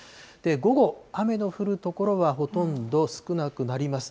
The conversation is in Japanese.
午後、雨の降る所はほとんど少なくなります。